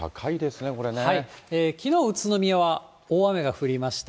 きのう、宇都宮は大雨が降りました。